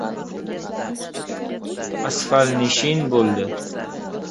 Asfalnishin bo‘ldi.